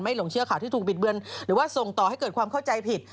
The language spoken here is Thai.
หลงเชื่อข่าวที่ถูกบิดเบือนหรือว่าส่งต่อให้เกิดความเข้าใจผิด